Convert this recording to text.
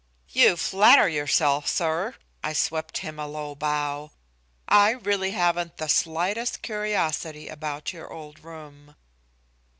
"You flatter yourself, sir." I swept him a low bow. "I really haven't the slightest curiosity about your old room."